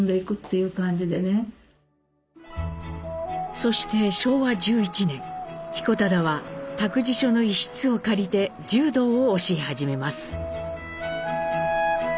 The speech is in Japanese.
そして昭和１１年彦忠は託児所の一室を借りて柔道を教え始めます。